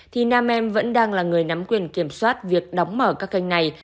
thì nam em vẫn đang là người nắm quyền kiểm soát việc đóng mở các kênh này